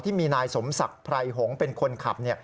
ที่มีนายสมศักดิ์ไพรหงษ์เป็นคนขับ